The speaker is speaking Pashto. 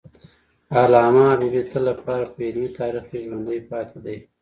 علامه حبیبي د تل لپاره په علمي تاریخ کې ژوندی پاتي دی.